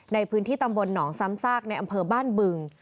ในพื้นที่ตำบลหนองซ้ำซากในอำเภอบ้านบึง